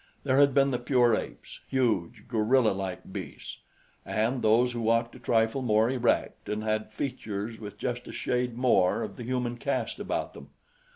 There had been the pure apes huge, gorillalike beasts and those who walked, a trifle more erect and had features with just a shade more of the human cast about them.